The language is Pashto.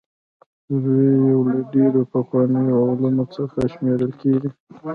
سروې یو له ډېرو پخوانیو علومو څخه شمېرل کیږي